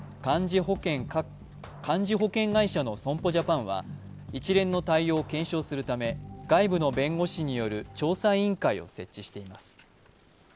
幹事保険会社の損保ジャパンは一連の対応を検証するため、外部の弁護士による調査委員会を設置しています。